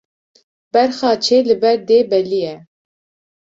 Berxa çê li ber dê belî ye